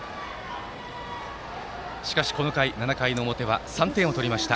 しかしこの回、７回の表は３点を取りました。